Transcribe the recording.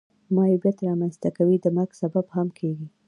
معیوبیت را منځ ته کوي د مرګ سبب هم کیږي.